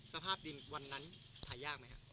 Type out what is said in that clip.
สภาพดินวันนั้นหายากไหมครับ